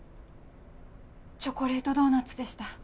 チョコレートドーナツでした。